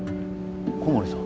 小森さん。